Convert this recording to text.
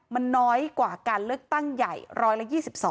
มันน้อยกว่าการเลือกตั้งใหญ่๑๒๒